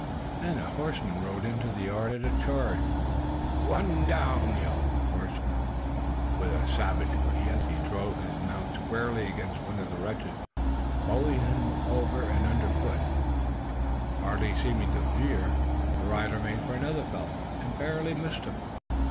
Then a horseman rode into the yard at a charge. "One down!" yelled the rider, with savage glee, as he drove his mount squarely against one of the wretches, bowling him over and underfoot. Hardly seeming to veer, the rider made for another fellow, and barely missed him.